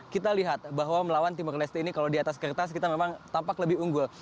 kita lihat bahwa melawan timur leste ini kalau di atas kertas kita memang tampak lebih unggul